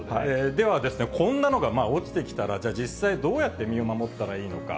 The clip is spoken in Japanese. では、こんなのが落ちてきたら、実際、どうやって身を守ったらいいのか。